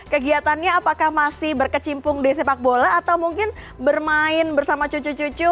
kegiatannya apakah masih berkecimpung di sepak bola atau mungkin bermain bersama cucu cucu